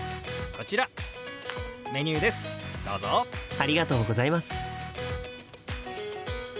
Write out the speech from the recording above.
ありがとうございます。